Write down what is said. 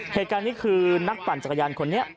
เหตุการณ์นี้คือนักปั่นจักรยานคนนี้